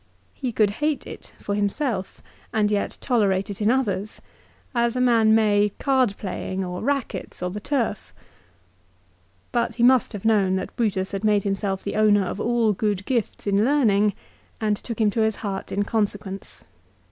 He could hate it for himself, and yet tolerate it in others, as a man may card playing, or rackets, or the turf. But he must have known that Brutus had made himself the owner of all good gifts in learning, and took him to his heart in consequence.